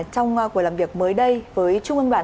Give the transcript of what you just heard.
trong cuộc làm việc mới đây với trung ương đoàn